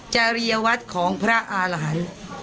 จริยวัตรของพระอาหาร